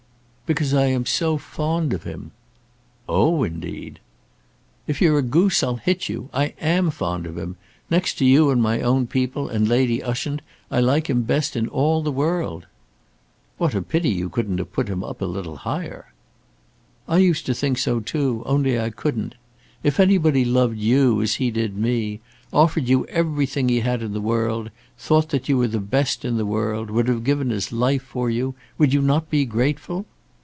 "Because I am so fond of him." "Oh; indeed!" "If you're a goose, I'll hit you. I am fond of him. Next to you and my own people, and Lady Ushant, I like him best in all the world." "What a pity you couldn't have put him up a little higher." "I used to think so too; only I couldn't. If anybody loved you as he did me, offered you everything he had in the world, thought that you were the best in the world, would have given his life for you, would not you be grateful?"